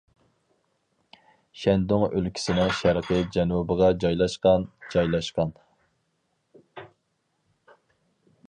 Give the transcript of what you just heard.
شەندۇڭ ئۆلكىسىنىڭ شەرقىي جەنۇبىغا جايلاشقان جايلاشقان.